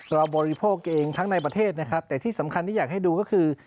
บริโภคเองทั้งในประเทศนะครับแต่ที่สำคัญที่อยากให้ดูก็คือ